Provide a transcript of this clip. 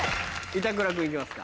板倉君行きますか。